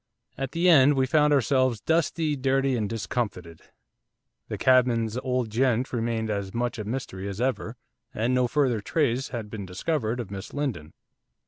At the end we found ourselves dusty, dirty, and discomfited. The cabman's 'old gent' remained as much a mystery as ever, and no further trace had been discovered of Miss Lindon.